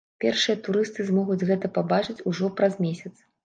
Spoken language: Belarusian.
Першыя турысты змогуць гэта пабачыць ужо праз месяц.